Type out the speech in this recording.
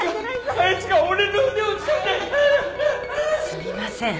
すみません。